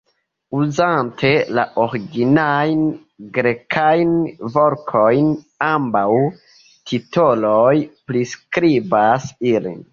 Uzante la originajn grekajn vortojn, ambaŭ titoloj priskribas ilin.